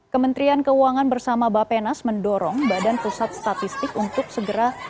kementerian keuangan bersama bapenas mendorong badan pusat statistik untuk segera